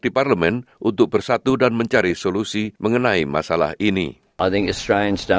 di parlement untuk bersatu dan mencari solusi mengenai masalah ini